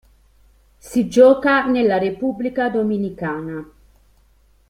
Si gioca nella Repubblica Dominicana.